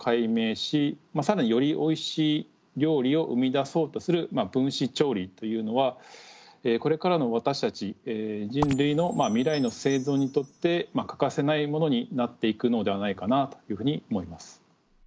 で今いろいろな新しい食材分子調理というのはこれからの私たち人類の未来の生存にとって欠かせないものになっていくのではないかなというふうに思います。